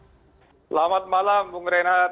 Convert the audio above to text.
selamat malam bung renat